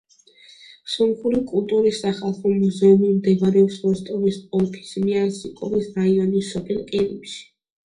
სომხური კულტურის სახალხო მუზეუმი მდებარეობს როსტოვის ოლქის მიასნიკოვის რაიონის სოფელ ყირიმში.